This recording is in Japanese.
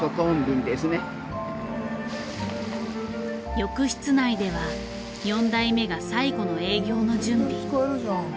浴室内では４代目が最後の営業の準備。